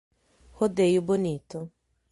Rodeio Bonito